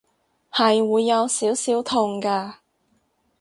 係會有少少痛㗎